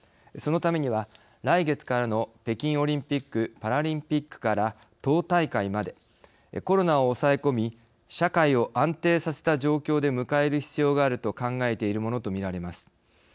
そのためには来月からの北京オリンピックパラリンピックから党大会までコロナを抑え込み社会を安定させた状況で迎える必要があると考えているものと見られます。